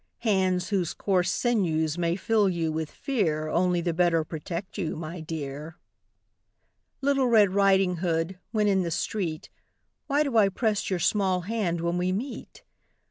Hands whose coarse sinews may fill you with fear Only the better protect you, my dear! Little Red Riding Hood, when in the street, Why do I press your small hand when we meet?